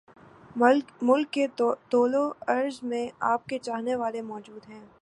ملک کے طول وعرض میں آپ کے چاہنے والے موجود ہیں